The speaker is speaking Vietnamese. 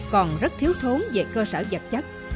còn rất thiếu thốn về cơ sở vật chất